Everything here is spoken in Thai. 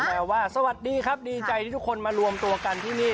แปลว่าสวัสดีครับดีใจที่ทุกคนมารวมตัวกันที่นี่